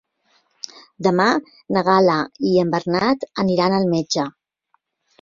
Demà na Gal·la i en Bernat aniran al metge.